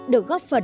được góp phần